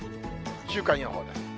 週間予報です。